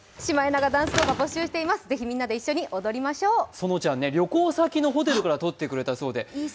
そのちゃん、旅行先のホテルで撮ってくれたそうで。